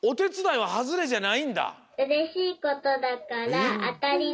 はい！